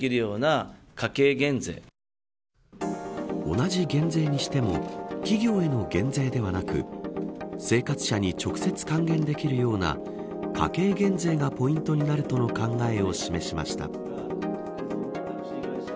同じ減税にしても企業への減税ではなく生活者に直接還元できるような家計減税がポイントになるとの考えを示しました。